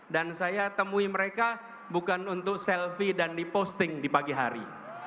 dan saya temui mereka bukan untuk selfie dan di posting di pagi hari